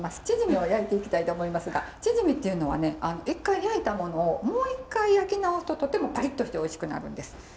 チヂミを焼いていきたいと思いますがチヂミっていうのはね一回焼いたものをもう一回焼き直すととてもパリッとしておいしくなるんです。